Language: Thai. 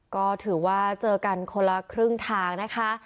ก็ถือว่าเจอกันคนละครึ่งทางนะคะ